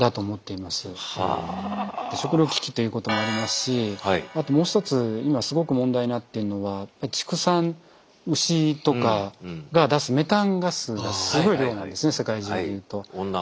食糧危機ということもありますしあともう１つ今すごく問題になっているのは畜産牛とかが出すメタンガスがすごい量なんですね世界中でいうと。